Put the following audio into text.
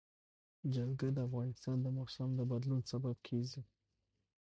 جلګه د افغانستان د موسم د بدلون سبب کېږي.